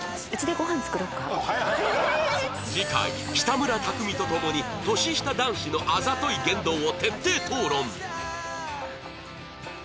次回北村匠海とともに年下男子のあざとい言動を徹底討論